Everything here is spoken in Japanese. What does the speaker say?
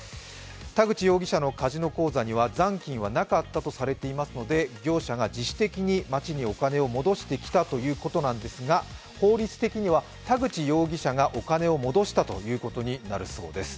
田口容疑者のカジノ口座には残金はなかったとされていますので、業者が自主的に町にお金を戻してきたということなんですが法律的には、田口容疑者がお金を戻したということになるそうです。